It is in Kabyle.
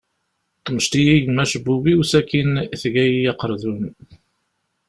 Temceḍ-iyi yemma acebbub-iw, sakin tegga-iyi aqardun.